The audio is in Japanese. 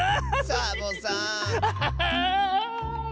サボさん！